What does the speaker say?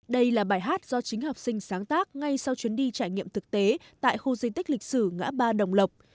đây là bài hát do chính học sinh sáng tác ngay sau chuyến đi trải nghiệm thực tế tại khu di tích lịch sử ngã ba đồng lộc